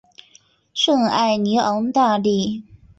圣艾尼昂大地。